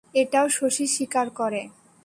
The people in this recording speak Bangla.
এটাও শশী স্বীকার করে।